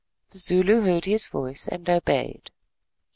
The Zulu heard his voice, and obeyed.